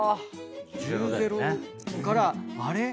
１０・０からあれっ？